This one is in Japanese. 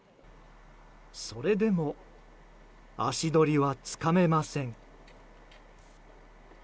それでも足取りはつかめません。